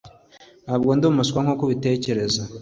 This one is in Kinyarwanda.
Ntabwo ndi umuswa nkuko ubitekereza